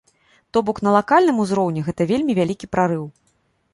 То бок, на лакальным узроўні гэта вельмі вялікі прарыў.